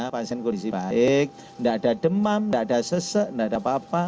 pasien kondisi baik enggak ada demam enggak ada sese enggak ada apa apa